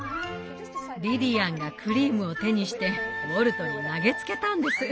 リリアンがクリームを手にしてウォルトに投げつけたんです。